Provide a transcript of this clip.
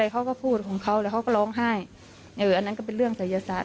เขาก็พูดของเขาแล้วเขาก็ร้องไห้อันนั้นก็เป็นเรื่องศัยศาสต